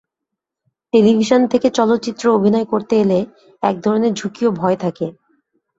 Television থেকে চলচ্চিত্রে অভিনয় করতে এলে একধরনের ঝুঁকি ও ভয় থাকে।